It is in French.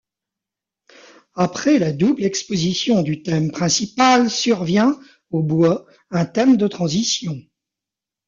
Après la double exposition du thème principal survient, au bois, un thème de transition.